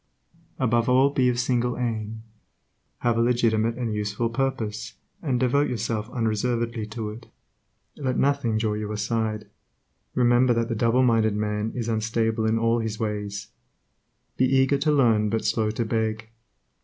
Above all be of single aim; have a legitimate and useful purpose, and devote yourself unreservedly to it. Let nothing draw you aside ; remember that the doubleminded man is unstable in all his ways. Be eager to learn, but slow to beg.